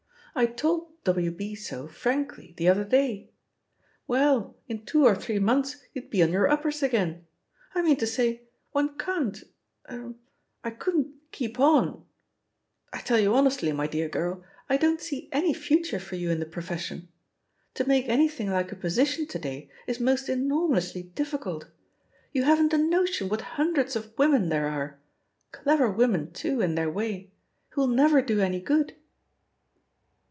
I told W. B. so frankly the other day. Well, in two or three months you'd be on your uppers again! I mean to say, one can't — er — I couldn't keep on I tell you honestly, my dear girl, I don't see any «72 THE POSITION OF PEGGY HARPER future for you in the profession! To make any thing like a position to day is most enormously difficult. You haven't a notion what hundreds of women there are — dever women, too, in their way — ^who'll never do any good."